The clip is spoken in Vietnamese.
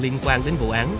liên quan tới vụ án